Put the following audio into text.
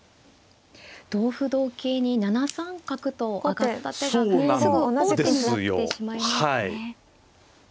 同歩同桂に７三角と上がった手がすぐ王手になってしまいますね。